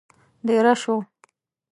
دېره شوو.